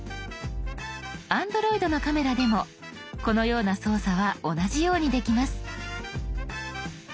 Ａｎｄｒｏｉｄのカメラでもこのような操作は同じようにできます。